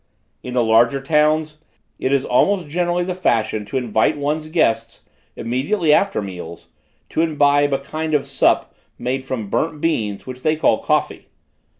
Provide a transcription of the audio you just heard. "In the larger towns, it is almost generally the fashion to invite one's guests, immediately after meals, to imbibe a kind of sup made from burnt beans, which they call coffee.